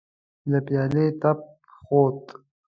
له پيالې تپ خوت.